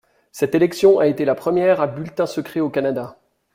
Cette élection a été la première à bulletin secret au Canada.